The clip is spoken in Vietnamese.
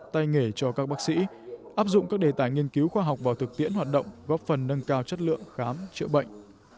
tại nghiên cứu khoa học vào thực tiễn hoạt động góp phần nâng cao chất lượng khám chữa bệnh